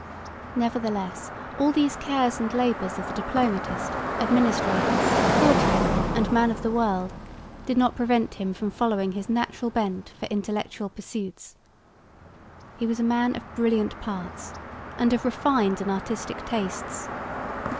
Nevertheless all these cares and labours of the diplomatist, administrator, courtier and man of the world did not prevent him from following his natural bent for intellectual pursuits. He was a man of brilliant parts and of refined and artistic tastes.